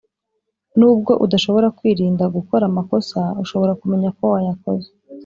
Nubwo udashobora kwirinda gukora amakosa ushobora kumenya ko wayakoze